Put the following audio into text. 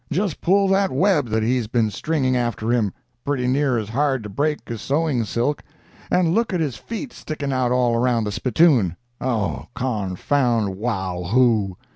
Just pull at that web that he's been stringing after him—pretty near as hard to break as sewing silk; and look at his feet sticking out all round the spittoon. Oh, confound Waw hoo!"